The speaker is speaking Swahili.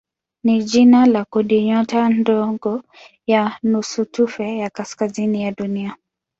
ni jina la kundinyota ndogo ya nusutufe ya kaskazini ya Dunia.